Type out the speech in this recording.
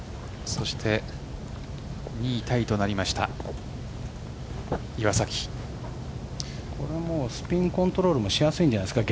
そして、２位タイとなりましたスピンコントロールもしやすいんじゃないですか。